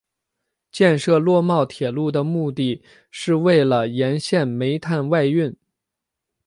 建设洛茂铁路的目的是为了沿线煤炭外运。